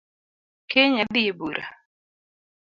Kiny adhi e bura